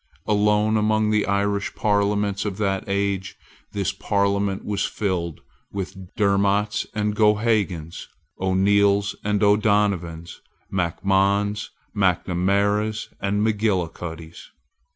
Alone among the Irish parliaments of that age, this parliament was filled with Dermots and Geohagans, O'Neils and O'Donovans, Macmahons, Macnamaras, and Macgillicuddies.